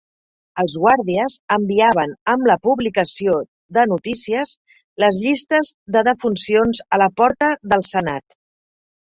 Els guàrdies enviaven amb la publicació de notícies les llistes de defuncions a la porta del senat.